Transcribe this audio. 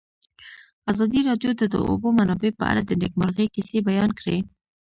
ازادي راډیو د د اوبو منابع په اړه د نېکمرغۍ کیسې بیان کړې.